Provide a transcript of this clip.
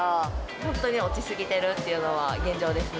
本当に落ち過ぎてるっていうのは現状ですね。